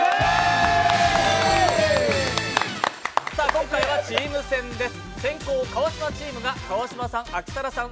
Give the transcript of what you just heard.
今回はチーム戦です。